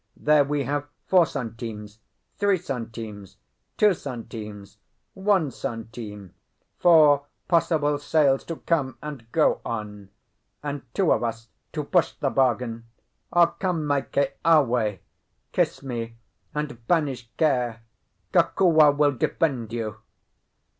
There we have four centimes, three centimes, two centimes, one centime; four possible sales to come and go on; and two of us to push the bargain. Come, my Keawe! kiss me, and banish care. Kokua will defend you."